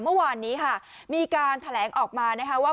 เมื่อวานนี้ค่ะมีการแถลงออกมานะคะว่า